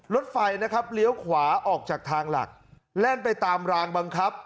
รถไฟนะครับเลี้ยวขวาออกจากทางหลักแล่นไปตามรางบังคับ